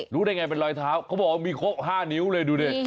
รู้ได้ไงวันมีรอยเท้า